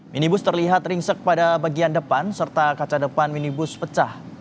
minibus terlihat ringsek pada bagian depan serta kaca depan minibus pecah